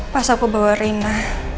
pas aku bawa rena